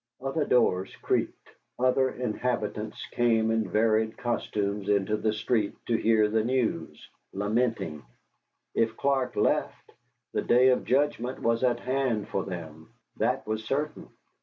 Other doors creaked. Other inhabitants came in varied costumes into the street to hear the news, lamenting. If Clark left, the day of judgment was at hand for them, that was certain.